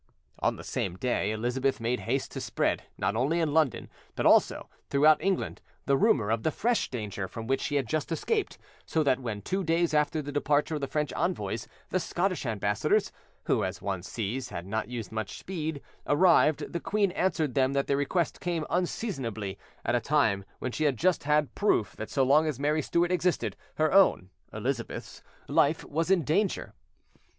On the same day, Elizabeth made haste to spread, not only in London, but also throughout England, the rumour of the fresh danger from which she had just escaped, so that, when, two days after the departure of the French envoys, the Scottish ambassadors, who, as one sees, had not used much speed, arrived, the queen answered them that their request came unseasonably, at a time when she had just had proof that, so long as Mary Stuart existed, her own (Elizabeth's) life was in danger.